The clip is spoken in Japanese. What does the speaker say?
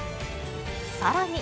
さらに。